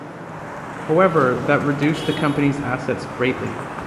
However, that reduced the company's assets greatly.